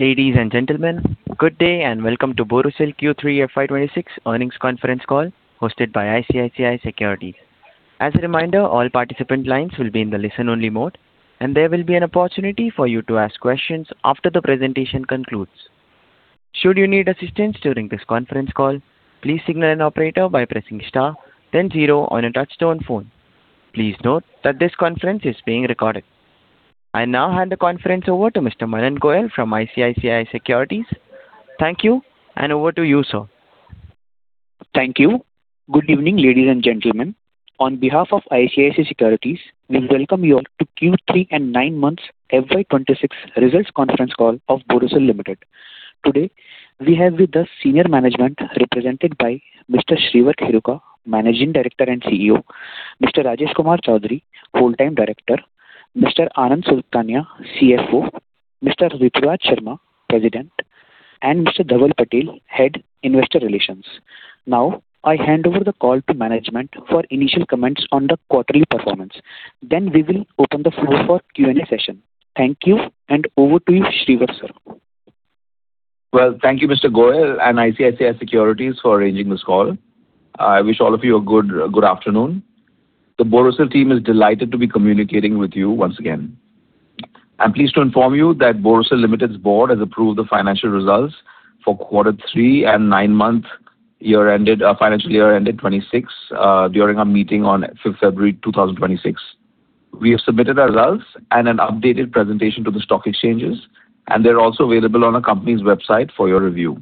Ladies and gentlemen, good day, and welcome to Borosil Q3 FY26 earnings conference call, hosted by ICICI Securities. As a reminder, all participant lines will be in the listen-only mode, and there will be an opportunity for you to ask questions after the presentation concludes. Should you need assistance during this conference call, please signal an operator by pressing star then zero on your touchtone phone. Please note that this conference is being recorded. I now hand the conference over to Mr. Manan Goyal from ICICI Securities. Thank you, and over to you, sir. Thank you. Good evening, ladies and gentlemen. On behalf of ICICI Securities, we welcome you all to Q3 and 9 months FY26 results conference call of Borosil Limited. Today, we have with us senior management represented by Mr. Shreevar Kheruka, Managing Director and CEO, Mr. Rajesh Kumar Chaudhary, Whole-Time Director, Mr. Anand Sultania, CFO, Mr. Rituraj Sharma, President, and Mr. Dhaval Patel, Head, Investor Relations. Now, I hand over the call to management for initial comments on the quarterly performance. Then we will open the floor for Q&A session. Thank you, and over to you, Shreevar, sir. Well, thank you, Mr. Goyal and ICICI Securities for arranging this call. I wish all of you a good, good afternoon. The Borosil team is delighted to be communicating with you once again. I'm pleased to inform you that Borosil Limited's board has approved the financial results for quarter three and nine-month year ended financial year ended 2026 during our meeting on 5 February 2026. We have submitted our results and an updated presentation to the stock exchanges, and they're also available on our company's website for your review.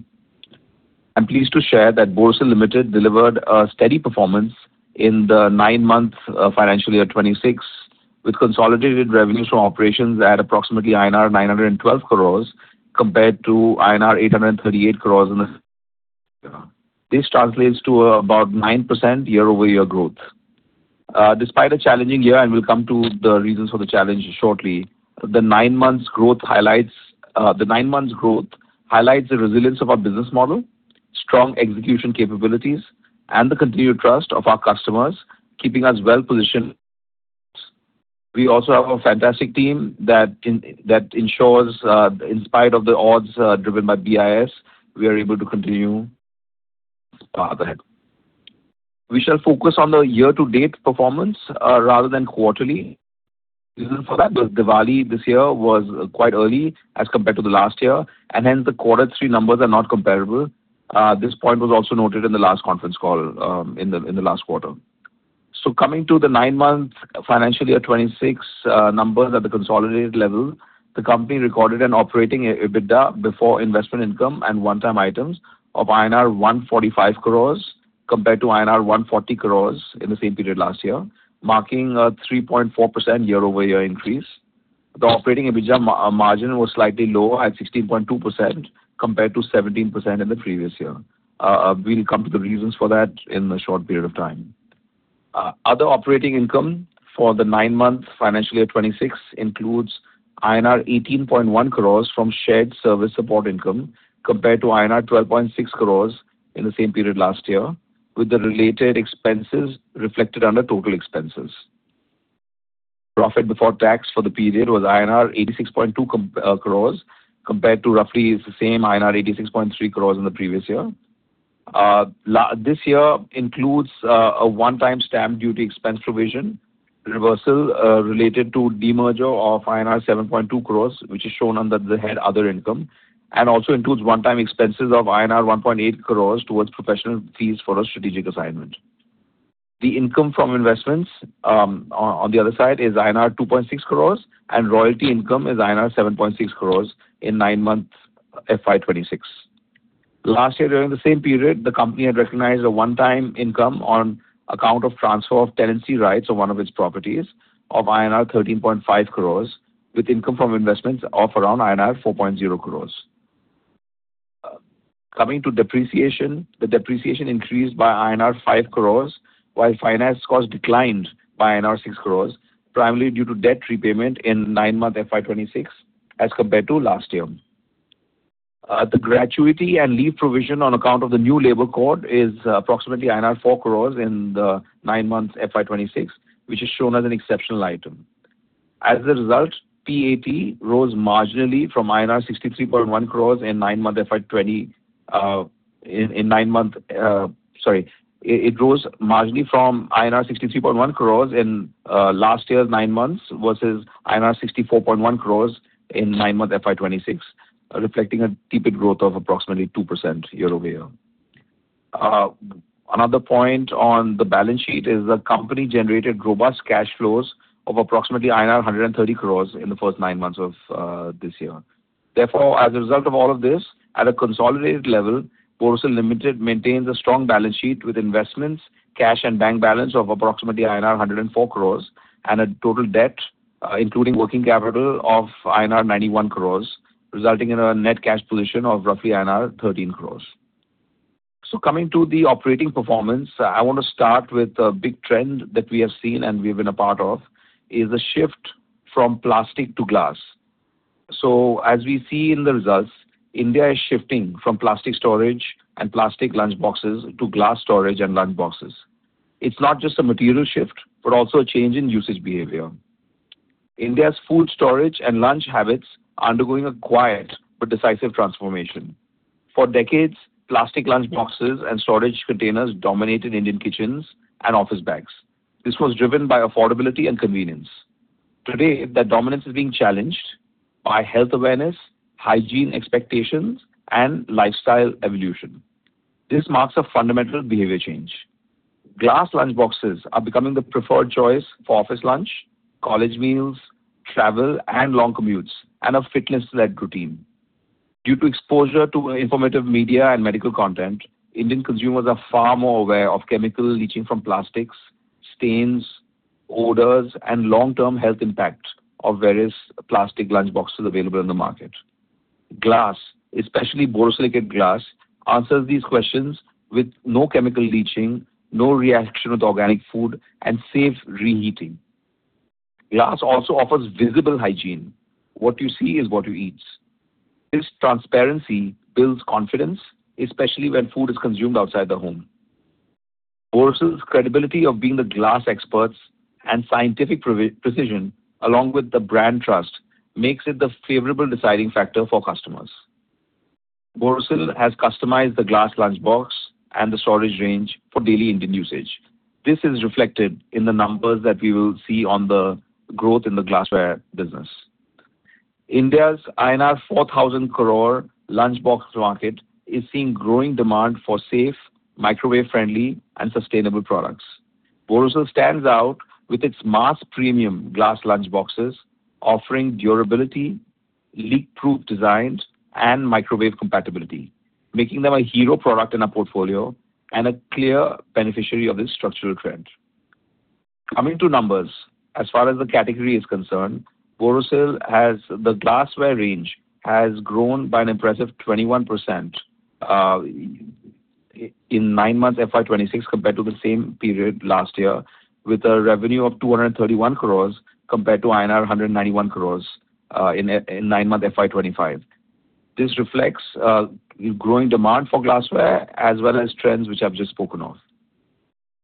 I'm pleased to share that Borosil Limited delivered a steady performance in the nine-month financial year 2026, with consolidated revenues from operations at approximately INR 912 crores, compared to INR 838 crores in the... This translates to about 9% year-over-year growth. Despite a challenging year, and we'll come to the reasons for the challenge shortly, the nine months growth highlights the resilience of our business model, strong execution capabilities, and the continued trust of our customers, keeping us well positioned. We also have a fantastic team that ensures, in spite of the odds, driven by BIS, we are able to continue ahead. We shall focus on the year-to-date performance, rather than quarterly. The reason for that, the Diwali this year was quite early as compared to the last year, and hence the quarter three numbers are not comparable. This point was also noted in the last conference call, in the last quarter. So coming to the nine-month financial year 2026 numbers at the consolidated level, the company recorded an operating EBITDA before investment income and one-time items of INR 145 crores, compared to INR 140 crores in the same period last year, marking a 3.4% year-over-year increase. The operating EBITDA margin was slightly lower at 16.2%, compared to 17% in the previous year. We'll come to the reasons for that in a short period of time. Other operating income for the nine-month financial year 2026 includes INR 18.1 crores from shared service support income, compared to INR 12.6 crores in the same period last year, with the related expenses reflected under total expenses. Profit before tax for the period was INR 86.2 crores, compared to roughly the same INR 86.3 crores in the previous year. This year includes a one-time stamp duty expense provision reversal related to demerger of INR 7.2 crores, which is shown under the head Other Income, and also includes one-time expenses of INR 1.8 crores towards professional fees for a strategic assignment. The income from investments, on the other side, is INR 2.6 crores, and royalty income is INR 7.6 crores in nine-month FY 2026. Last year, during the same period, the company had recognized a one-time income on account of transfer of tenancy rights of one of its properties of INR 13.5 crores, with income from investments of around INR 4.0 crores. Coming to depreciation, the depreciation increased by INR 5 crores, while finance costs declined by INR 6 crores, primarily due to debt repayment in nine-month FY26 as compared to last year. The gratuity and leave provision on account of the new labor code is approximately INR 4 crores in the nine months FY26, which is shown as an exceptional item. As a result, PAT rose marginally from INR 63.1 crores in last year's nine months versus INR 64.1 crores in nine-month FY26, reflecting a typical growth of approximately 2% year-over-year. Another point on the balance sheet is the company generated robust cash flows of approximately INR 130 crores in the first nine months of this year. Therefore, as a result of all of this, at a consolidated level, Borosil Limited maintains a strong balance sheet with investments, cash and bank balance of approximately INR 104 crores, and a total debt, including working capital of INR 91 crores, resulting in a net cash position of roughly INR 13 crores. So coming to the operating performance, I want to start with a big trend that we have seen and we've been a part of, is a shift from plastic to glass. So as we see in the results, India is shifting from plastic storage and plastic lunchboxes to glass storage and lunchboxes.... It's not just a material shift, but also a change in usage behavior. India's food storage and lunch habits are undergoing a quiet but decisive transformation. For decades, plastic lunchboxes and storage containers dominated Indian kitchens and office bags. This was driven by affordability and convenience. Today, that dominance is being challenged by health awareness, hygiene expectations, and lifestyle evolution. This marks a fundamental behavior change. Glass lunchboxes are becoming the preferred choice for office lunch, college meals, travel, and long commutes, and a fitness-led routine. Due to exposure to informative media and medical content, Indian consumers are far more aware of chemical leaching from plastics, stains, odors, and long-term health impact of various plastic lunchboxes available in the market. Glass, especially borosilicate glass, answers these questions with no chemical leaching, no reaction with organic food, and safe reheating. Glass also offers visible hygiene. What you see is what you eat. This transparency builds confidence, especially when food is consumed outside the home. Borosil's credibility of being the glass experts and scientific precision, along with the brand trust, makes it the favorable deciding factor for customers. Borosil has customized the glass lunchbox and the storage range for daily Indian usage. This is reflected in the numbers that we will see on the growth in the glassware business. India's INR 4,000 crore lunchbox market is seeing growing demand for safe, microwave-friendly, and sustainable products. Borosil stands out with its mass premium glass lunchboxes, offering durability, leak-proof designs, and microwave compatibility, making them a hero product in our portfolio and a clear beneficiary of this structural trend. Coming to numbers, as far as the category is concerned, Borosil has the glassware range has grown by an impressive 21%, in nine months FY26, compared to the same period last year, with a revenue of 231 crores, compared to INR 191 crores, in nine-month FY25. This reflects growing demand for glassware, as well as trends which I've just spoken of.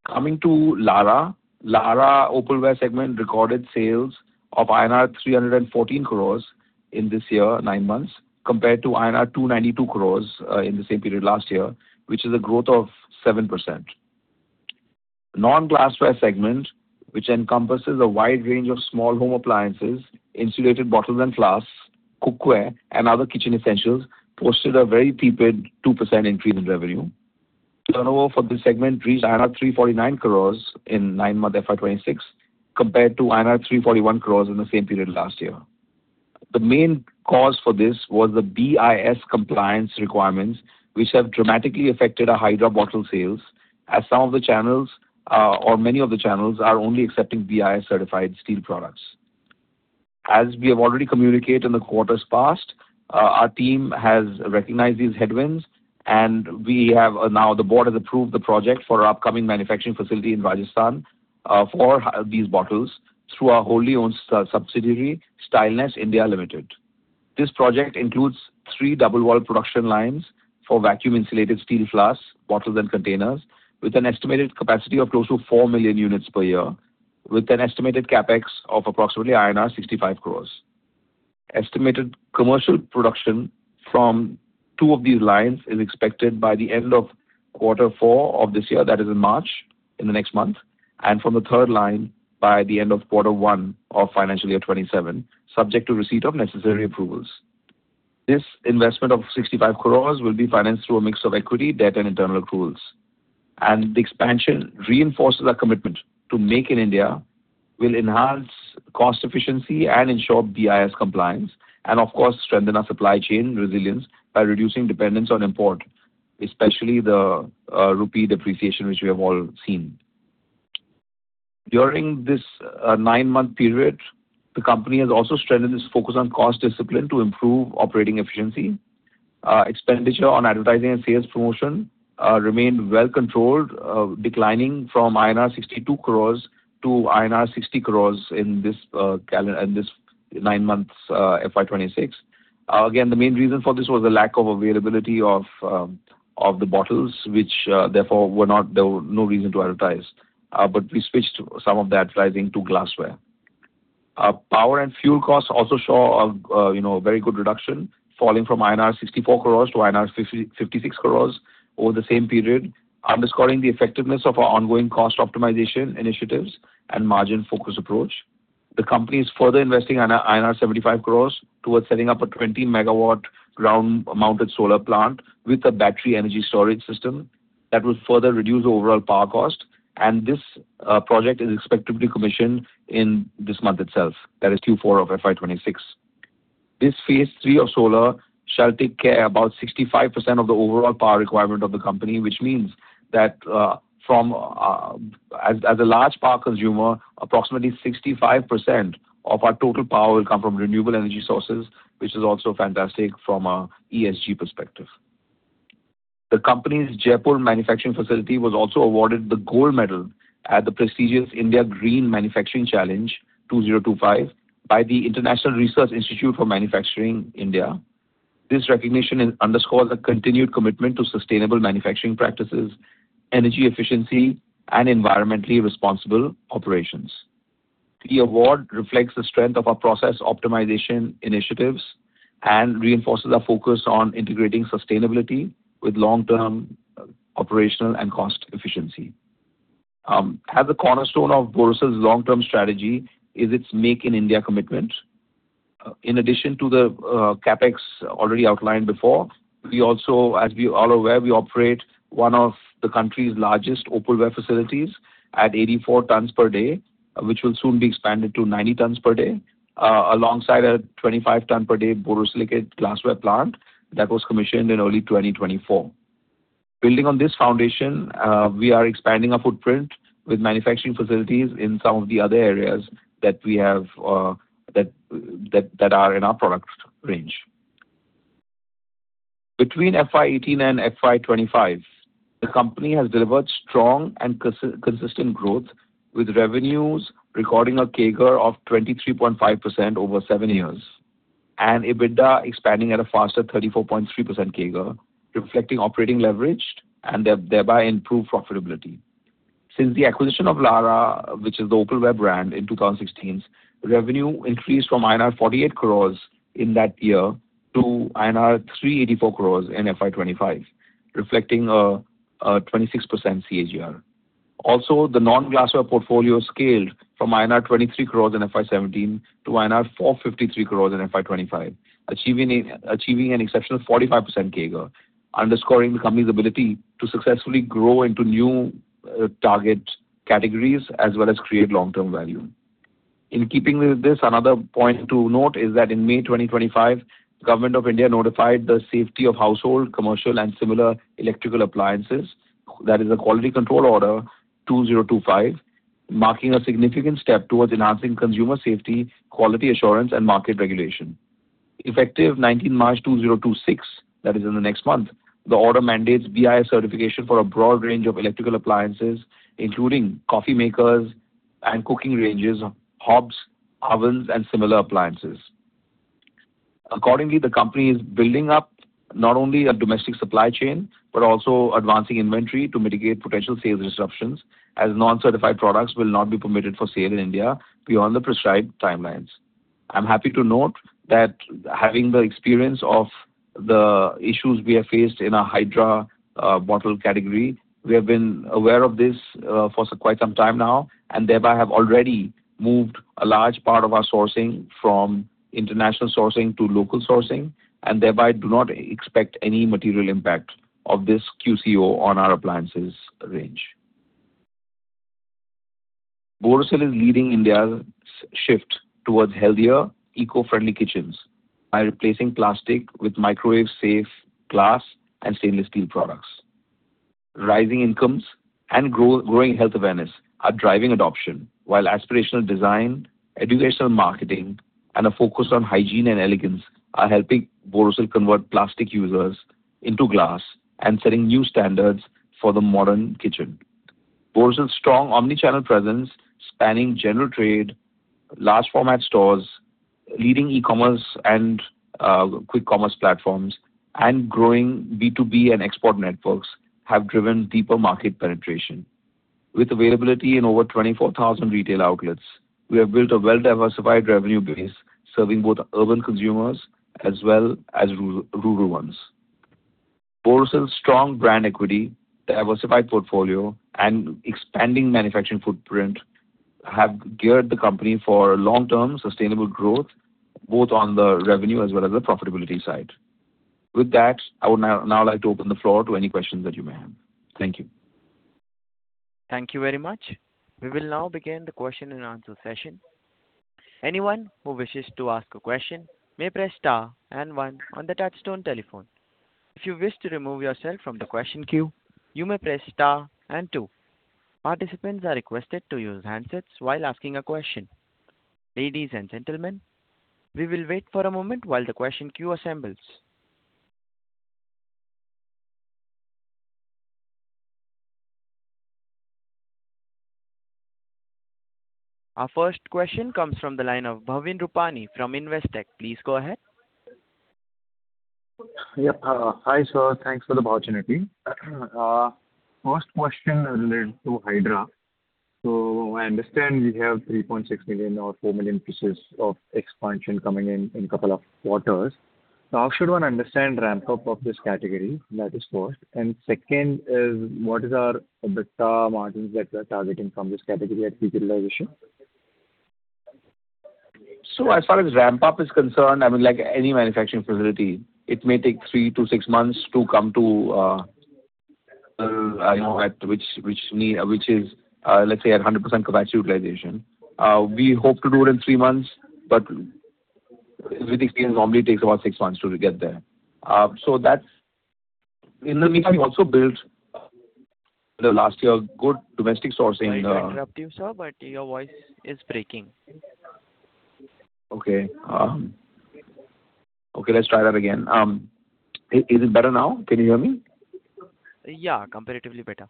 Coming to Larah. Larah opalware segment recorded sales of INR 314 crores in this year, nine months, compared to INR 292 crores, in the same period last year, which is a growth of 7%. Non-glassware segment, which encompasses a wide range of small home appliances, insulated bottles and flasks, cookware, and other kitchen essentials, posted a very tepid 2% increase in revenue. Turnover for this segment reached INR 349 crores in nine-month FY26, compared to INR 341 crores in the same period last year. The main cause for this was the BIS compliance requirements, which have dramatically affected our Hydra bottle sales, as some of the channels or many of the channels are only accepting BIS-certified steel products. As we have already communicated in the quarters past, our team has recognized these headwinds, and we have... Now, the board has approved the project for our upcoming manufacturing facility in Rajasthan for these bottles through our wholly owned subsidiary, Stainless India Limited. This project includes three double wall production lines for vacuum-insulated steel flasks, bottles, and containers, with an estimated capacity of close to 4 million units per year, with an estimated CapEx of approximately INR 65 crores. Estimated commercial production from two of these lines is expected by the end of quarter four of this year, that is in March, in the next month, and from the third line, by the end of quarter one of financial year 2027, subject to receipt of necessary approvals. This investment of 65 crore will be financed through a mix of equity, debt, and internal accruals. The expansion reinforces our commitment to Make in India, will enhance cost efficiency and ensure BIS compliance, and of course, strengthen our supply chain resilience by reducing dependence on import, especially the rupee depreciation, which we have all seen. During this 9-month period, the company has also strengthened its focus on cost discipline to improve operating efficiency. Expenditure on advertising and sales promotion remained well controlled, declining from INR 62 crores to INR 60 crores in this nine months FY 2026. Again, the main reason for this was the lack of availability of the bottles, which therefore were not. There were no reason to advertise, but we switched some of the advertising to glassware. Power and fuel costs also saw a, you know, a very good reduction, falling from INR 64 crores to INR 56 crores over the same period, underscoring the effectiveness of our ongoing cost optimization initiatives and margin-focused approach. The company is further investing 75 crore towards setting up a 20-megawatt ground-mounted solar plant with a battery energy storage system that will further reduce overall power cost, and this project is expected to be commissioned in this month itself. That is Q4 of FY26. This phase three of solar shall take care about 65% of the overall power requirement of the company, which means that, as a large power consumer, approximately 65% of our total power will come from renewable energy sources, which is also fantastic from an ESG perspective. The company's Jaipur manufacturing facility was also awarded the Gold Medal at the prestigious India Green Manufacturing Challenge 2025 by the International Research Institute for Manufacturing (IRIM). This recognition underscores our continued commitment to sustainable manufacturing practices, energy efficiency, and environmentally responsible operations. The award reflects the strength of our process optimization initiatives and reinforces our focus on integrating sustainability with long-term operational and cost efficiency. At the cornerstone of Borosil's long-term strategy is its Make in India commitment. In addition to the CapEx already outlined before, we also, as we all are aware, we operate one of the country's largest opalware facilities at 84 tons per day, which will soon be expanded to 90 tons per day, alongside a 25 ton per day borosilicate glassware plant that was commissioned in early 2024. Building on this foundation, we are expanding our footprint with manufacturing facilities in some of the other areas that we have, that are in our product range. Between FY18 and FY25, the company has delivered strong and consistent growth, with revenues recording a CAGR of 23.5% over 7 years, and EBITDA expanding at a faster 34.3% CAGR, reflecting operating leverage and thereby improved profitability. Since the acquisition of Larah, which is the opalware brand, in 2016, revenue increased from INR 48 crores in that year to INR 384 crores in FY25, reflecting a 26% CAGR. Also, the non-glassware portfolio scaled from INR 23 crores in FY17 to INR 453 crores in FY25, achieving an exceptional 45% CAGR, underscoring the company's ability to successfully grow into new target categories as well as create long-term value. In keeping with this, another point to note is that in May 2025, the government of India notified the safety of household, commercial, and similar electrical appliances. That is a Quality Control Order 2025, marking a significant step towards enhancing consumer safety, quality assurance, and market regulation. Effective March 19, 2026, that is in the next month, the order mandates BIS certification for a broad range of electrical appliances, including coffee makers and cooking ranges, hobs, ovens, and similar appliances. Accordingly, the company is building up not only a domestic supply chain, but also advancing inventory to mitigate potential sales disruptions, as non-certified products will not be permitted for sale in India beyond the prescribed timelines. I'm happy to note that having the experience of the issues we have faced in our Hydra bottle category, we have been aware of this for quite some time now, and thereby have already moved a large part of our sourcing from international sourcing to local sourcing, and thereby do not expect any material impact of this QCO on our appliances range. Borosil is leading India's shift towards healthier, eco-friendly kitchens by replacing plastic with microwave-safe glass and stainless steel products. Rising incomes and growing health awareness are driving adoption, while aspirational design, educational marketing, and a focus on hygiene and elegance are helping Borosil convert plastic users into glass and setting new standards for the modern kitchen. Borosil's strong omni-channel presence, spanning general trade, large format stores, leading e-commerce and quick commerce platforms, and growing B2B and export networks, have driven deeper market penetration. With availability in over 24,000 retail outlets, we have built a well-diversified revenue base, serving both urban consumers as well as rural ones. Borosil's strong brand equity, diversified portfolio, and expanding manufacturing footprint have geared the company for long-term sustainable growth, both on the revenue as well as the profitability side. With that, I would now like to open the floor to any questions that you may have. Thank you. Thank you very much. We will now begin the question and answer session. Anyone who wishes to ask a question may press star and one on the touchtone telephone. If you wish to remove yourself from the question queue, you may press star and two. Participants are requested to use handsets while asking a question. Ladies and gentlemen, we will wait for a moment while the question queue assembles. Our first question comes from the line of Bhavin Rupani from Investec. Please go ahead. Yeah. Hi, sir. Thanks for the opportunity. First question related to Hydra. So I understand we have 3.6 million or 4 million pieces of expansion coming in in couple of quarters. Now, how should one understand ramp-up of this category? That is first, and second is, what is our EBITDA margins that we are targeting from this category at full utilization? So as far as ramp-up is concerned, I mean, like any manufacturing facility, it may take three to six months to come to, you know, at which, which need... Which is, let's say, at 100% capacity utilization. We hope to do it in three months, but with experience, it normally takes about six months to get there. So that's... In the meantime, we also built the last year good domestic sourcing- Sorry to interrupt you, sir, but your voice is breaking. Okay. Okay, let's try that again. Is it better now? Can you hear me?... Yeah, comparatively better.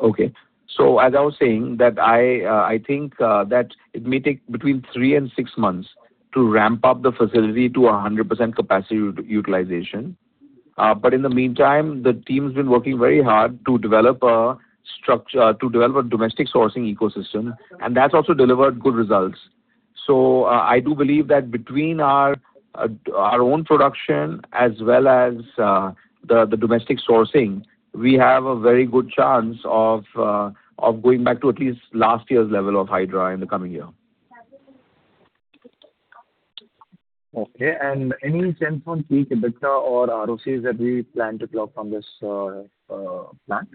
Okay. So as I was saying, that I, I think, that it may take between three and six months to ramp up the facility to 100% capacity utilization. But in the meantime, the team's been working very hard to develop a structure, to develop a domestic sourcing ecosystem, and that's also delivered good results. So, I do believe that between our, our own production as well as, the, the domestic sourcing, we have a very good chance of, of going back to at least last year's level of Hydra in the coming year. Okay. And any sense on pre-CAPEX or ROCE that we plan to clock on this plant?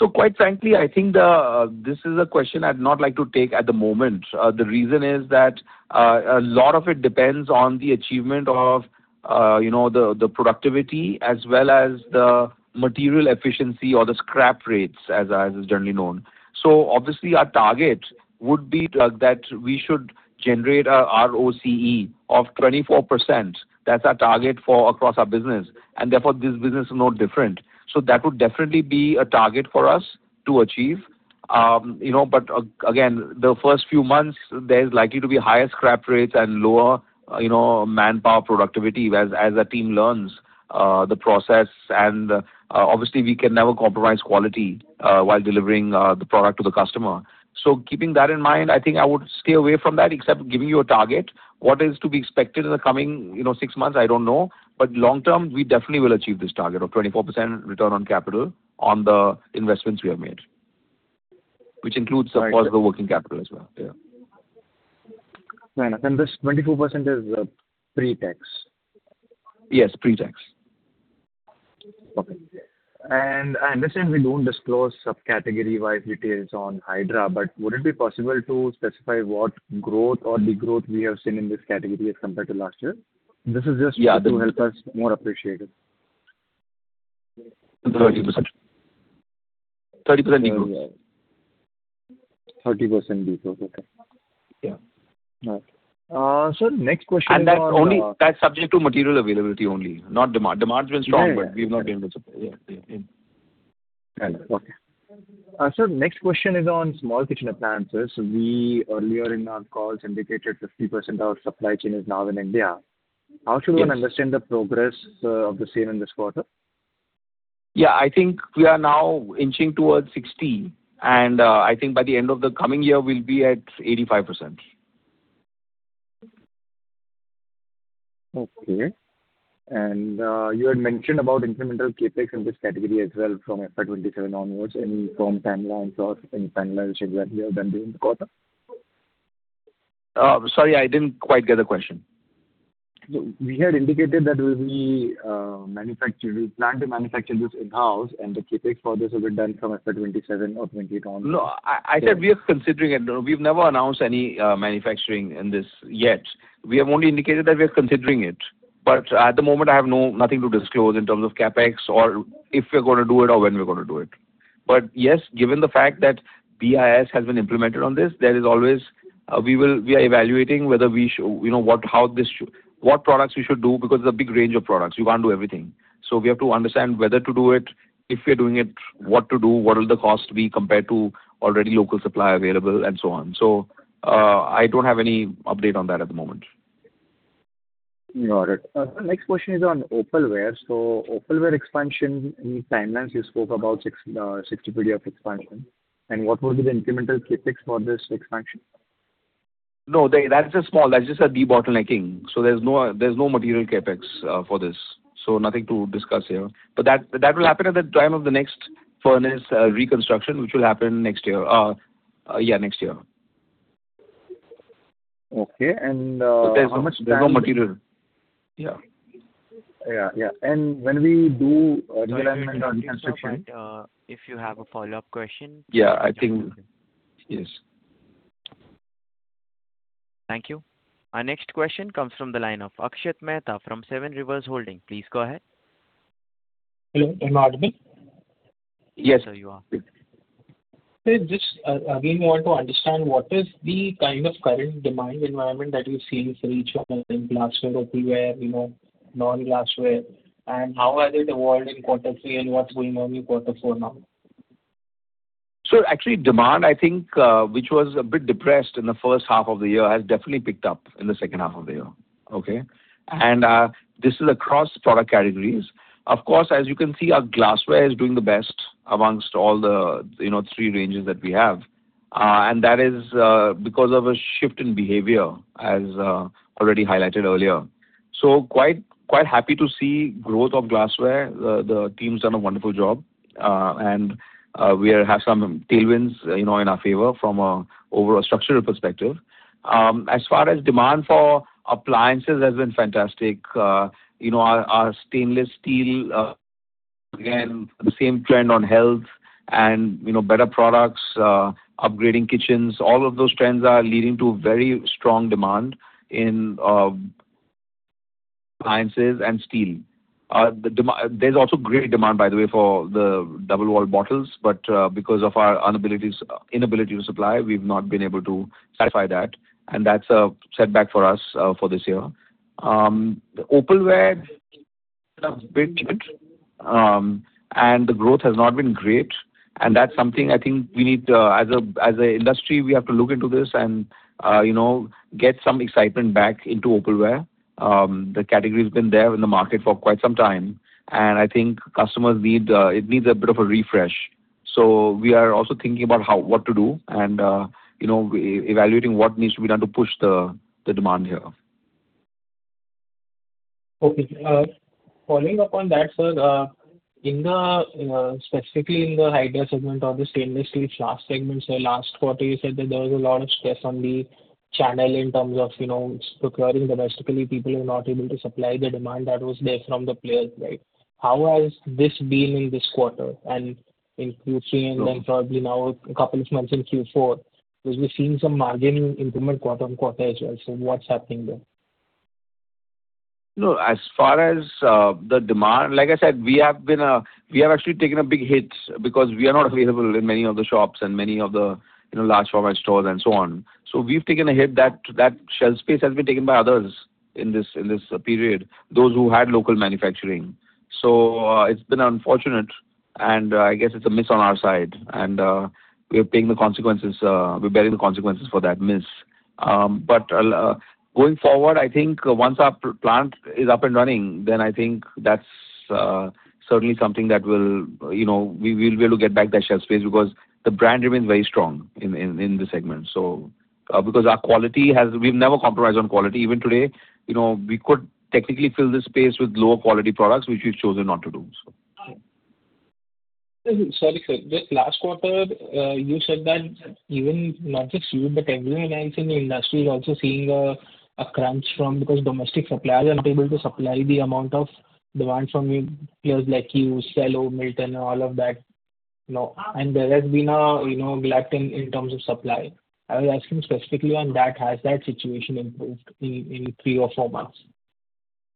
So quite frankly, I think this is a question I'd not like to take at the moment. The reason is that a lot of it depends on the achievement of, you know, the productivity as well as the material efficiency or the scrap rates, as is generally known. So obviously, our target would be that we should generate our ROCE of 24%. That's our target for across our business, and therefore this business is no different. So that would definitely be a target for us to achieve. You know, but again, the first few months, there's likely to be higher scrap rates and lower, you know, manpower productivity as a team learns the process. And obviously, we can never compromise quality while delivering the product to the customer. So keeping that in mind, I think I would stay away from that, except giving you a target. What is to be expected in the coming, you know, six months? I don't know. But long term, we definitely will achieve this target of 24% return on capital on the investments we have made, which includes the possible working capital as well. Yeah. Right. And this 24% is, pre-tax? Yes, pre-tax. Okay. I understand we don't disclose subcategory-wide details on Hydra, but would it be possible to specify what growth or degrowth we have seen in this category as compared to last year? This is just- Yeah. to help us more appreciate it. 30%. 30% degrowth. 30% degrowth. Okay. Yeah. So next question on, And that's subject to material availability only, not demand. Demand's been strong- Yeah. But we've not been able to supply. Yeah. Yeah. Okay. Sir, next question is on small kitchen appliances. We earlier in our calls indicated 50% of our supply chain is now in India. Yes. How should one understand the progress, of the same in this quarter? Yeah, I think we are now inching towards 60, and I think by the end of the coming year, we'll be at 85%. Okay. You had mentioned about incremental CapEx in this category as well from FY27 onwards, any firm timeline for any timelines which you have done during the quarter? Sorry, I didn't quite get the question. We had indicated that we'll be manufacturing. We plan to manufacture this in-house, and the CapEx for this will be done from FY 2027 or 2028 on. No, I said we are considering it. We've never announced any manufacturing in this yet. We have only indicated that we are considering it, but at the moment, I have nothing to disclose in terms of CapEx or if we're gonna do it or when we're gonna do it. But yes, given the fact that BIS has been implemented on this, there is always, we will - we are evaluating whether we should, you know, what, how this should - what products we should do, because there's a big range of products. We can't do everything. So we have to understand whether to do it, if we are doing it, what to do, what will the cost be compared to already local supply available and so on. So, I don't have any update on that at the moment. Got it. Next question is on opalware. So opalware expansion, any timelines you spoke about 60% expansion, and what would be the incremental CapEx for this expansion? No, they. That's a small, that's just a debottlenecking. So there's no, there's no material CapEx for this, so nothing to discuss here. But that, but that will happen at the time of the next furnace reconstruction, which will happen next year, yeah, next year. Okay. And how much time- There's no material. Yeah. Yeah, yeah. And when we do, reconstruction or- If you have a follow-up question. Yeah, I think... Yes. Thank you. Our next question comes from the line of Akshat Mehta from Seven Rivers Holding. Please go ahead. Hello, am I audible? Yes, sir, you are. So just again, we want to understand what is the kind of current demand environment that you're seeing for each one in glassware, opalware, you know, non-glassware, and how has it evolved in quarter three, and what's going on in quarter four now? So actually, demand, I think, which was a bit depressed in the first half of the year, has definitely picked up in the second half of the year. Okay? And this is across product categories. Of course, as you can see, our glassware is doing the best among all the, you know, three ranges that we have. And that is because of a shift in behavior, as already highlighted earlier. So quite, quite happy to see growth of glassware. The team's done a wonderful job, and we have some tailwinds, you know, in our favor from a over a structural perspective. As far as demand for appliances has been fantastic. You know, our stainless steel, again, the same trend on health and, you know, better products, upgrading kitchens, all of those trends are leading to very strong demand in appliances and steel. There's also great demand, by the way, for the double wall bottles, but because of our inability to supply, we've not been able to satisfy that, and that's a setback for us for this year. The opalware have been good, and the growth has not been great, and that's something I think we need to, as an industry, we have to look into this and, you know, get some excitement back into opalware. The category's been there in the market for quite some time, and I think customers need, it needs a bit of a refresh. We are also thinking about how, what to do and, you know, evaluating what needs to be done to push the demand here. Okay. Following up on that, sir, in the specifically in the Hydra segment or the stainless steel glass segment, so last quarter, you said that there was a lot of stress on the channel in terms of, you know, procuring domestically, people are not able to supply the demand that was there from the players, right? How has this been in this quarter? And in Q3, and then probably now a couple of months in Q4, because we've seen some margin improvement quarter-over-quarter as well. So what's happening there? You know, as far as the demand—like I said, we have actually taken a big hit because we are not available in many of the shops and many of the, you know, large format stores and so on. So we've taken a hit, that shelf space has been taken by others in this period, those who had local manufacturing. So, it's been unfortunate, and I guess it's a miss on our side, and we are paying the consequences, we're bearing the consequences for that miss. But, going forward, I think once our plant is up and running, then I think that's certainly something that will, you know, we'll be able to get back that shelf space because the brand remains very strong in this segment. We've never compromised on quality. Even today, you know, we could technically fill this space with lower quality products, which we've chosen not to do, so. Sorry, sir. Just last quarter, you said that even not just you, but everyone else in the industry is also seeing a crunch from, because domestic suppliers are unable to supply the amount of demand from you, players like you, Cello, Milton, and all of that, you know. And there has been a, you know, lack in terms of supply. I was asking specifically on that, has that situation improved in three or four months?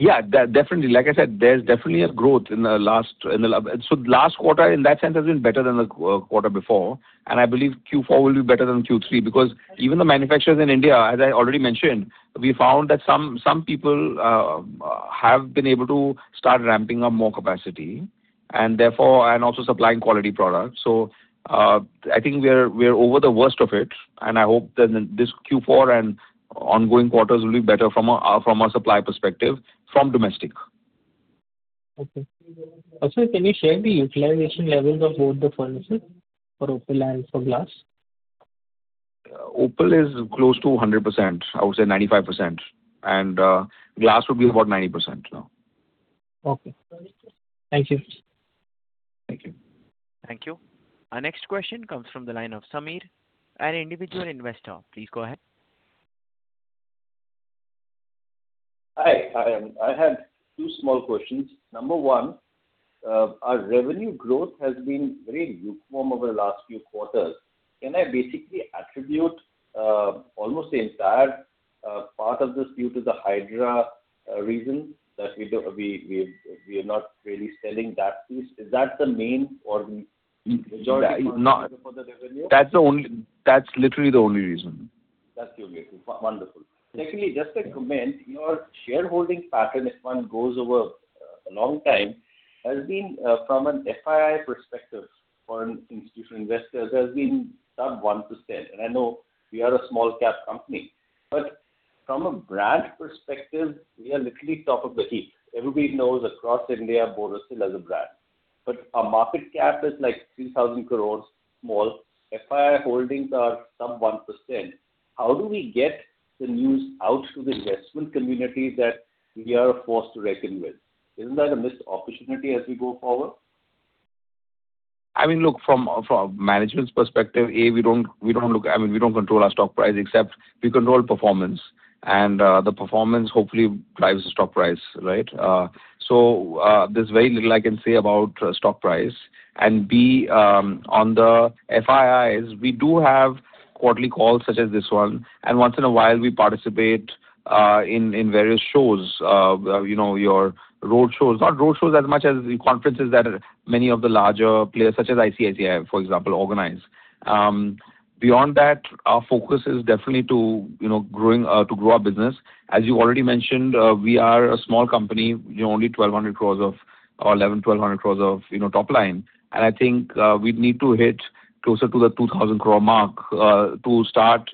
Yeah, definitely. Like I said, there's definitely a growth in the last, in the... So last quarter, in that sense, has been better than the quarter before, and I believe Q4 will be better than Q3. Because even the manufacturers in India, as I already mentioned, we found that some people have been able to start ramping up more capacity, and therefore... and also supplying quality products. So, I think we are over the worst of it, and I hope that this Q4 and ongoing quarters will be better from a supply perspective, from domestic. Okay. Also, can you share the utilization levels of both the furnaces for opal and for glass? Opal is close to 100%. I would say 95%, and glass would be about 90% now. Okay. Thank you. Thank you. Thank you. Our next question comes from the line of Samir, an individual investor. Please go ahead. Hi. I have two small questions. Number one, our revenue growth has been very lukewarm over the last few quarters. Can I basically attribute almost the entire part of this due to the Hydra reason, that we are not really selling that piece? Is that the main or majority- Not- for the revenue? That's literally the only reason. That's okay. Wonderful. Secondly, just a comment. Your shareholding pattern, if one goes over a long time, has been, from an FII perspective, foreign institutional investors, sub 1%. And I know we are a small cap company, but from a brand perspective, we are literally top of the heap. Everybody knows across India, Borosil is a brand. But our market cap is, like, 3,000 crore small. FII holdings are sub 1%. How do we get the news out to the investment community that we are a force to reckon with? Isn't that a missed opportunity as we go forward? I mean, look, from a management's perspective, A, we don't look. I mean, we don't control our stock price, except we control performance. And, the performance hopefully drives the stock price, right? So, there's very little I can say about stock price. And B, on the FIIs, we do have quarterly calls such as this one, and once in a while, we participate in various shows, you know, your road shows. Not road shows as much as the conferences that many of the larger players, such as ICICI, for example, organize. Beyond that, our focus is definitely to, you know, grow our business. As you already mentioned, we are a small company, you know, only 1,200 crores of, or 1,100, 1,200 crores of top line. And I think, we'd need to hit closer to the 2,000 crore mark, to start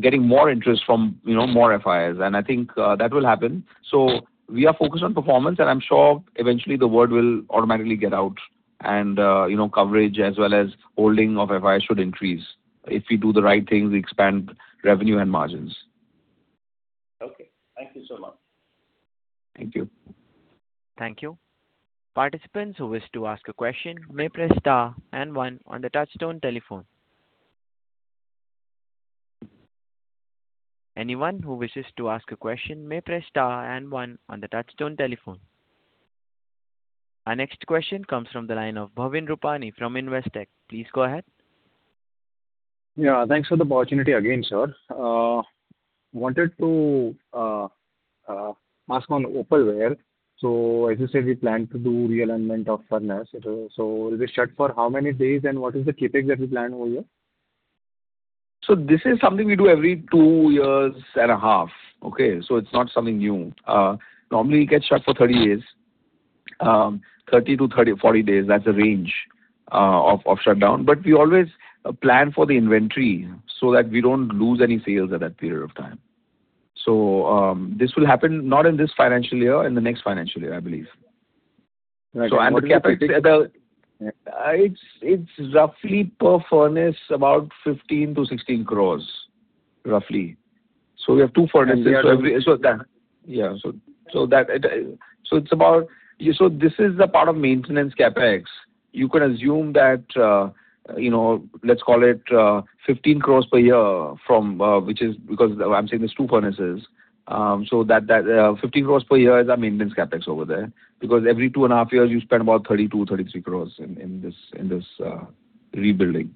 getting more interest from, you know, more FIIs, and I think, that will happen. So we are focused on performance, and I'm sure eventually the word will automatically get out and, you know, coverage as well as holding of FIIs should increase if we do the right things, we expand revenue and margins. Okay. Thank you so much. Thank you. Thank you. Participants who wish to ask a question may press star and one on the touchtone telephone. Anyone who wishes to ask a question may press star and one on the touchtone telephone. Our next question comes from the line of Bhavin Rupani from Investec. Please go ahead. Yeah, thanks for the opportunity again, sir. Wanted to ask on opalware. So as you said, we plan to do realignment of furnace. So it was shut for how many days, and what is the CapEx that we plan over here?... So this is something we do every 2 years and a half, okay? So it's not something new. Normally, we get shut for 30 days, 30 to 40 days, that's the range, of shutdown. But we always plan for the inventory so that we don't lose any sales at that period of time. So, this will happen not in this financial year, in the next financial year, I believe. Right. And the CapEx, it's roughly per furnace, about 15-16 crores, roughly. So we have two furnaces- And six So this is the part of maintenance CapEx. You could assume that, you know, let's call it 15 crore per year from which is because I'm saying there's two furnaces. So that 15 crore per year is our maintenance CapEx over there. Because every two and a half years, you spend about 32-33 crore in this rebuilding.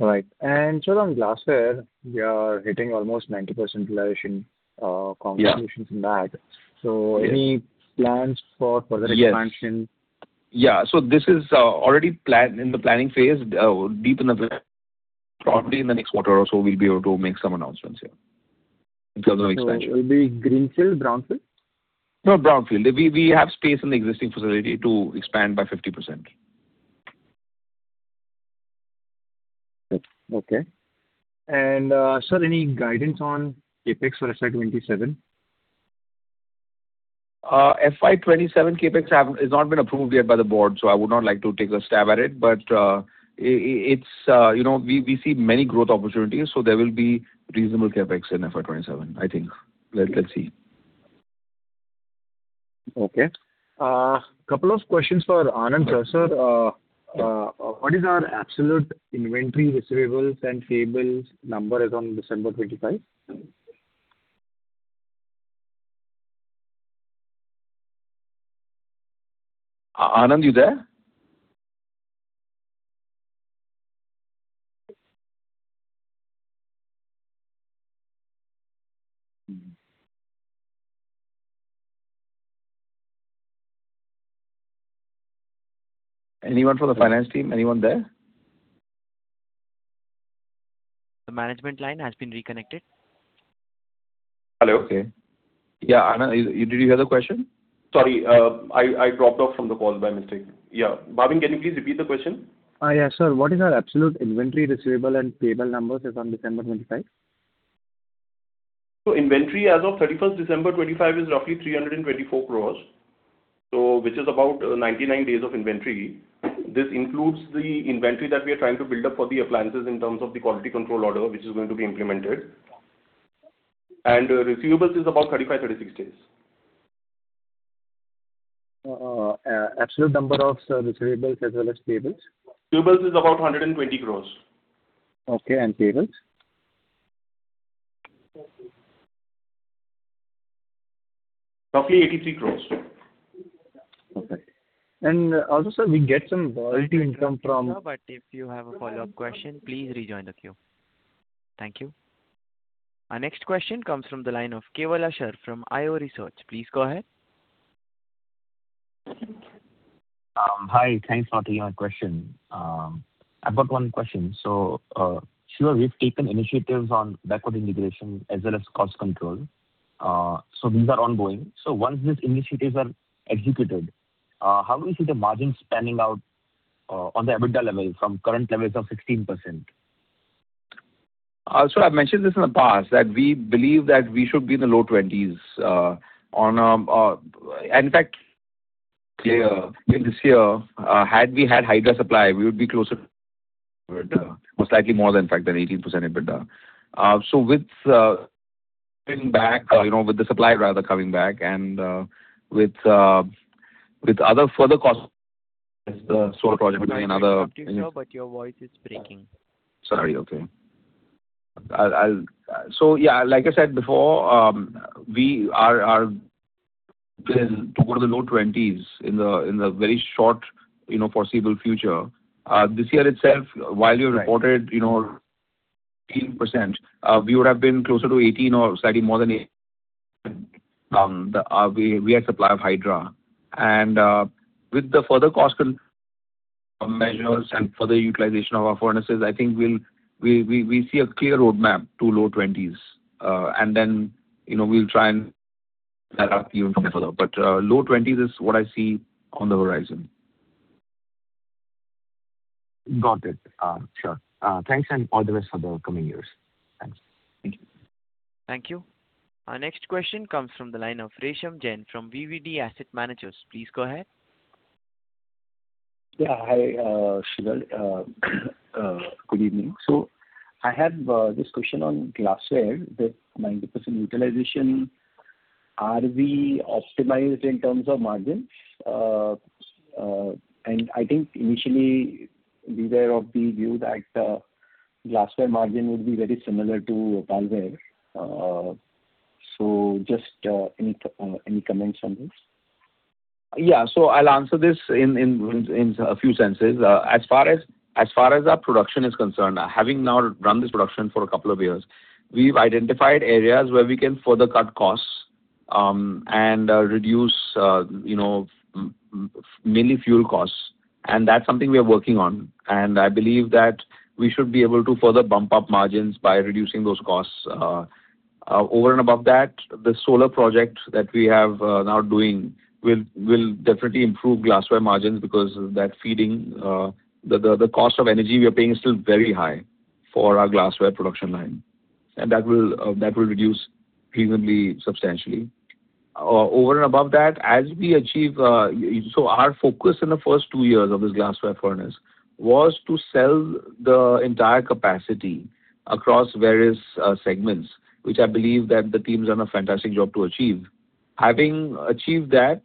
All right. And so on glassware, we are hitting almost 90% utilization, contributions in that. Yeah. So any- Yes. plans for further expansion? Yes. Yeah, so this is already planned in the planning phase. Probably in the next quarter or so, we'll be able to make some announcements here in terms of expansion. It will be greenfield, brownfield? No, brownfield. We have space in the existing facility to expand by 50%. Okay. And, sir, any guidance on CapEx for FY 27? FY27 CapEx has not been approved yet by the board, so I would not like to take a stab at it. But, it's, you know, we see many growth opportunities, so there will be reasonable CapEx in FY27, I think. Let's see. Okay. Couple of questions for Anand, sir. Sir, what is our absolute inventory receivables and payables number as on December 25? Anand, you there? Anyone from the finance team, anyone there? The management line has been reconnected. Hello. Okay. Yeah, Anand, did you hear the question? Sorry, I dropped off from the call by mistake. Yeah. Bhavin, can you please repeat the question? Yeah, sir, what is our absolute inventory, receivable, and payable numbers as on December 25? Inventory as of 31st December 2025 is roughly 324 crore, which is about 99 days of inventory. This includes the inventory that we are trying to build up for the appliances in terms of the quality control order, which is going to be implemented. Receivables is about 35-36 days. Absolute number of receivables as well as payables. Receivables is about 120 crore. Okay, and payables? Roughly INR 83 crore. Okay. And also, sir, we get some royalty income from- If you have a follow-up question, please rejoin the queue. Thank you. Our next question comes from the line of Keval Ashar from IO Research. Please go ahead. Hi, thanks for taking my question. I've got one question. So, sure, we've taken initiatives on backward integration as well as cost control. So these are ongoing. So once these initiatives are executed, how do you see the margins panning out, on the EBITDA level from current levels of 16%? So I've mentioned this in the past, that we believe that we should be in the low 20s... In fact, in this year, had we had Hydra supply, we would be closer to EBITDA, most likely more than, in fact, than 18% EBITDA. So with coming back, you know, with the supply rather coming back and with other further cost, so project between another-... But your voice is breaking. Sorry. Okay. I'll— So yeah, like I said before, we are planning to go to the low 20s in the very short, you know, foreseeable future. This year itself, while we reported, you know, 18%, we would have been closer to 18 or slightly more than 8, we had supply of Hydra. And, with the further cost control measures and further utilization of our furnaces, I think we'll see a clear roadmap to low 20s. And then, you know, we'll try and add up even further. But, low 20s is what I see on the horizon. Got it. Sure. Thanks and all the best for the coming years. Thanks. Thank you. Thank you. Our next question comes from the line of Resham Jain from VVD Asset Managers. Please go ahead. Yeah, hi, Shreevar. Good evening. I have this question on glassware, the 90% utilization. Are we optimized in terms of margin? And I think initially we were of the view that glassware margin would be very similar to metalware. So just any comments on this? Yeah. So I'll answer this in a few senses. As far as our production is concerned, having now run this production for a couple of years, we've identified areas where we can further cut costs and reduce you know mainly fuel costs, and that's something we are working on. And I believe that we should be able to further bump up margins by reducing those costs. Over and above that, the solar project that we have now doing will definitely improve glassware margins because of that feeding. The cost of energy we are paying is still very high for our glassware production line, and that will reduce reasonably substantially. Over and above that, as we achieve... So our focus in the first two years of this glassware furnace was to sell the entire capacity across various segments, which I believe that the team's done a fantastic job to achieve. Having achieved that,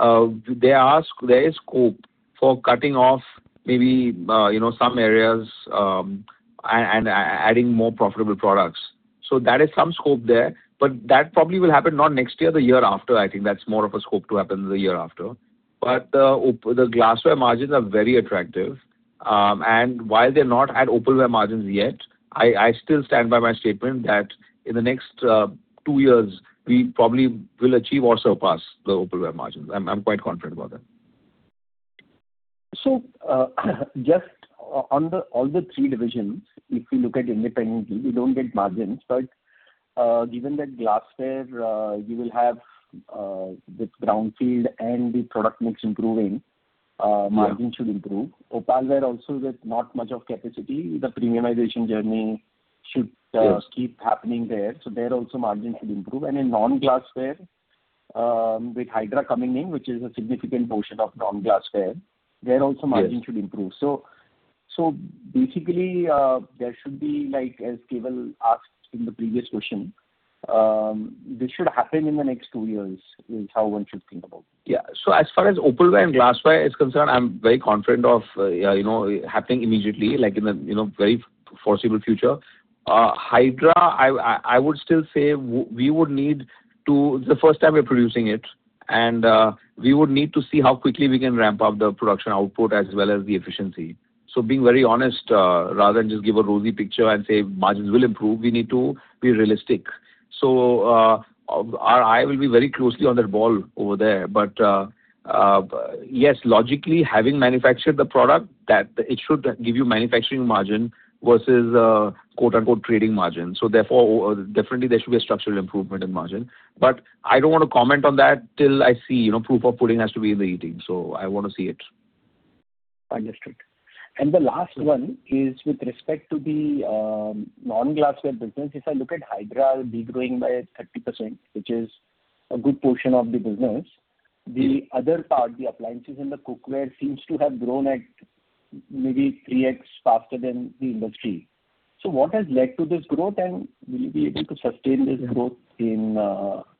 there is scope for cutting off maybe, you know, some areas, and adding more profitable products. So that is some scope there. But that probably will happen not next year, the year after. I think that's more of a scope to happen the year after. But the glassware margins are very attractive. And while they're not at opalware margins yet, I, I still stand by my statement that in the next two years, we probably will achieve or surpass the opalware margins. I'm, I'm quite confident about that. So, just on the three divisions, if you look at independently, you don't get margins, but given that glassware, you will have with greenfield and the product mix improving- Yeah. margin should improve. opalware also with not much of capacity, the premiumization journey should- Yes keep happening there, so there also margin should improve. And in non-glassware, with Hydra coming in, which is a significant portion of non-glassware, there also- Yes... margin should improve. So, basically, there should be like, as Kewal asked in the previous question, this should happen in the next two years, is how one should think about? Yeah. So as far as opalware and glassware is concerned, I'm very confident of, you know, it happening immediately, like in the, you know, very foreseeable future. Hydra, I would still say we would need to... The first time we're producing it, and, we would need to see how quickly we can ramp up the production output as well as the efficiency. So being very honest, rather than just give a rosy picture and say margins will improve, we need to be realistic. So, our eye will be very closely on that ball over there. But, yes, logically, having manufactured the product, that-- it should give you manufacturing margin versus, quote, unquote, "trading margin." So therefore, definitely there should be a structural improvement in margin. I don't want to comment on that till I see, you know, proof of pudding has to be in the eating, so I want to see it. Understood. And the last one is with respect to the non-glassware business. If I look at Hydra degrowing by 30%, which is a good portion of the business- Yeah... the other part, the appliances and the cookware, seems to have grown at maybe 3x faster than the industry. So what has led to this growth, and will you be able to sustain this growth in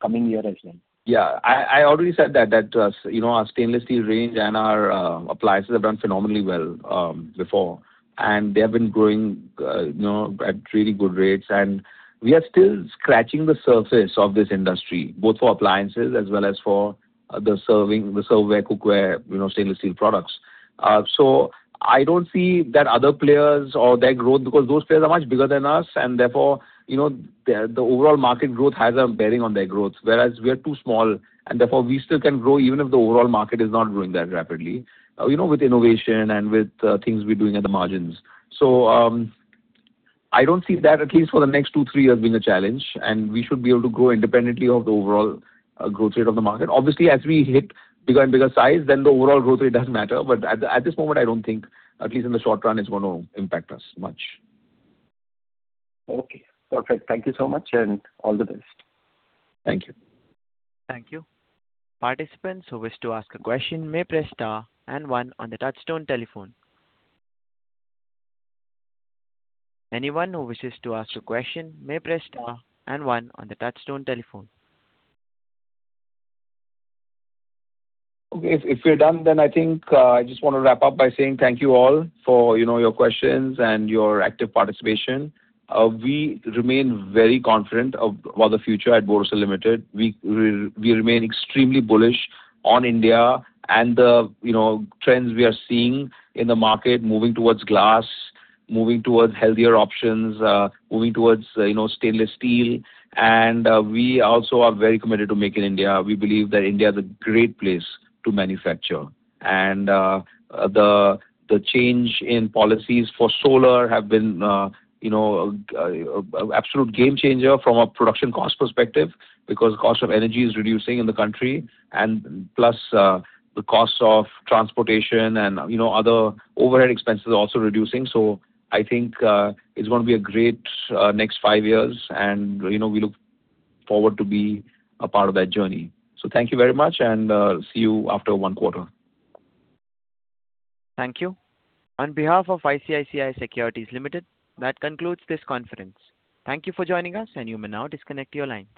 coming year as well? Yeah, I already said that, you know, our stainless steel range and our appliances have done phenomenally well before, and they have been growing, you know, at really good rates. And we are still scratching the surface of this industry, both for appliances as well as for the serving, the serveware, cookware, you know, stainless steel products. So I don't see that other players or their growth, because those players are much bigger than us, and therefore, you know, the overall market growth has a bearing on their growth. Whereas we are too small, and therefore, we still can grow even if the overall market is not growing that rapidly, you know, with innovation and with things we're doing at the margins. So, I don't see that, at least for the next 2-3 years, being a challenge, and we should be able to grow independently of the overall growth rate of the market. Obviously, as we hit bigger and bigger size, then the overall growth rate doesn't matter. But at this moment, I don't think, at least in the short run, it's going to impact us much. Okay. Perfect. Thank you so much, and all the best. Thank you. Thank you. Participants who wish to ask a question may press star and one on the touch-tone telephone. Anyone who wishes to ask a question may press star and one on the touch-tone telephone. Okay, if we're done, then I think I just want to wrap up by saying thank you all for, you know, your questions and your active participation. We remain very confident about the future at Borosil Limited. We remain extremely bullish on India and the, you know, trends we are seeing in the market, moving towards glass, moving towards healthier options, moving towards, you know, stainless steel. And we also are very committed to Make in India. We believe that India is a great place to manufacture. And the change in policies for solar have been, you know, an absolute game changer from a production cost perspective, because the cost of energy is reducing in the country, and plus the costs of transportation and, you know, other overhead expenses are also reducing. So I think, it's going to be a great, next five years, and, you know, we look forward to be a part of that journey. So thank you very much, and, see you after one quarter. Thank you. On behalf of ICICI Securities Limited, that concludes this conference. Thank you for joining us, and you may now disconnect your lines.